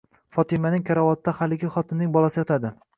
Fotimaning karavotida haligi xotinning bolasi yotadi.